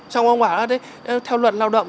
trong ông bảo là theo luật lao động